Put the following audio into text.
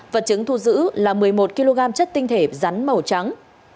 vật chứng thu giữ là một mươi một kg chất tinh thể rắn màu trắng